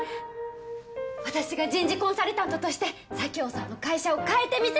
私が人事コンサルタントとして佐京さんの会社を変えてみせます！